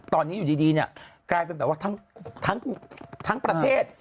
ตอนนี้อยู่ดีเนี่ยกลายเป็นแบบว่าทั้งประเทศ